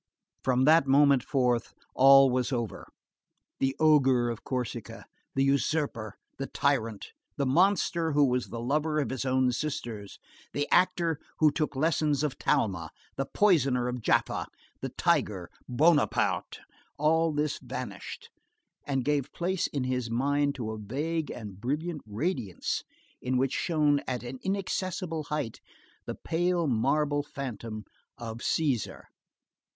From that moment forth, all was over; the Ogre of Corsica,—the usurper,—the tyrant,—the monster who was the lover of his own sisters,—the actor who took lessons of Talma,—the poisoner of Jaffa,—the tiger,—Buonaparte,—all this vanished, and gave place in his mind to a vague and brilliant radiance in which shone, at an inaccessible height, the pale marble phantom of Cæsar.